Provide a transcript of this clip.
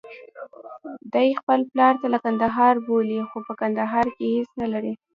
دی خپل پلار له کندهار بولي، خو په کندهار کې هېڅ نلري.